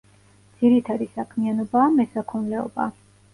ძირითადი საქმიანობაა მესაქონლეობა.